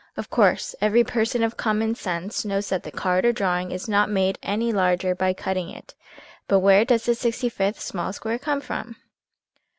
Of course, every person of common sense knows that the card or drawing is not made any larger by cutting it, but where does the 6$th small square come from